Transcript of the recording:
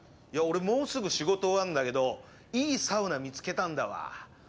俺もうすぐ仕事終わるんだけどいいサウナ見つけたんだわ。